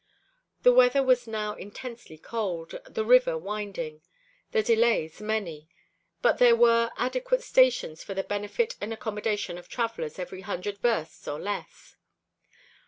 The weather was now intensely cold, the river winding, the delays many, but there were adequate stations for the benefit and accommodation of travelers every hundred versts or less.